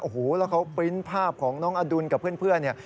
โอ้โหแล้วเขาปริ้นต์ภาพของน้องอดุลกับเพื่อนเนี่ย